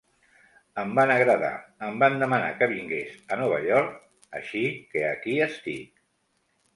Em van agradar, em van demanar que vingués a Nova York, així que aquí estic!